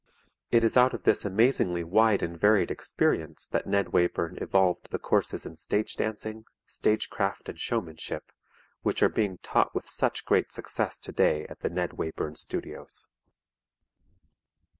It is out of this amazingly wide and varied experience that Ned Wayburn evolved the courses in stage dancing, stage craft and showmanship which are being taught with such great success today at the Ned Wayburn Studios.